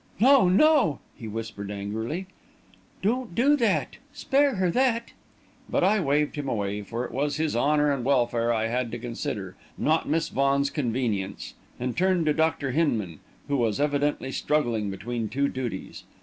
"No, no!" he whispered, angrily. "Don't do that! Spare her that!" But I waved him away, for it was his honour and welfare I had to consider, not Miss Vaughan's convenience, and turned to Dr. Hinman, who was evidently struggling between two duties.